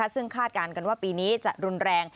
ซึ่งคาดการณ์กันว่าปีนี้จะรุนแรง